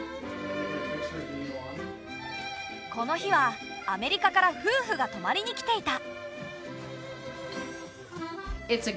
この日はアメリカから夫婦が泊まりに来ていた。